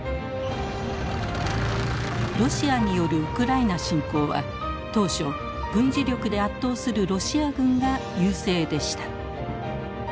ロシアによるウクライナ侵攻は当初軍事力で圧倒するロシア軍が優勢でした。